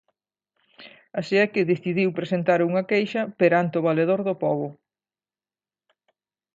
Así é que decidiu presentar unha queixa perante o Valedor do Pobo.